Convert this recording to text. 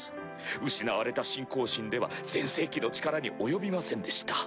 失われた信仰心では全盛期の力に及びませんでした。